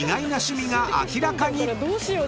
どうしよう？